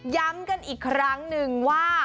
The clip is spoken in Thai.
ย้ำกันอีกครั้งหนึ่งว่า